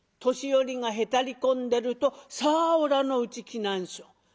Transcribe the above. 年寄りがへたり込んでると「さあおらのうち来なんしょ」。